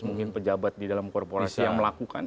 mungkin pejabat di dalam korporasi yang melakukan